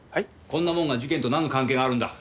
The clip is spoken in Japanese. こんなもんが事件となんの関係があるんだ？